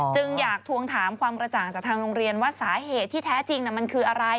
จึงอยากทวงถามความกระจ่างจากทางโรงเรียนว่าสาเหตุที่แท้จริงมันคืออะไร